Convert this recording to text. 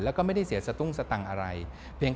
แล้วก็ไม่ได้เสียสตุ้งสตังค์อะไร